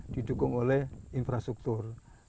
didukung oleh infrastruktur